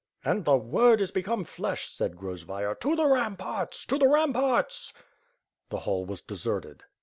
*'And the Word is become flesh!'' said Grozvayer. "To the ramparts! !! To the ramparts! !!" The hall was deserted.